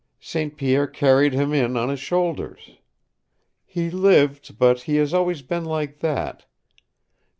St. Pierre carried him in on his shoulders. He lived, but he has always been like that. St.